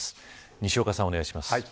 西岡さん、お願いします。